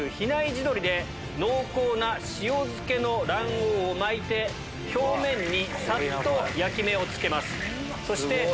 濃厚な塩漬けの卵黄を巻いて表面にさっと焼き目をつけます。